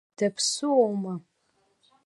Даԥсуоума?